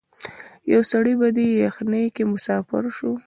یو سړی په دې یخنۍ کي مسافر سو